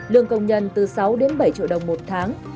lương công nhân từ sáu đến bảy triệu đồng một tháng